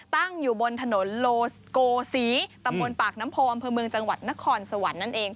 ตั้งอยู่บนถนนโลโกศรีตำบลปากน้ำโพอำเภอเมืองจังหวัดนครสวรรค์นั่นเอง